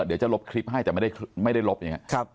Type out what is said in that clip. เดี๋ยวจะลบคลิปให้แต่ไม่ได้ลบอย่างนี้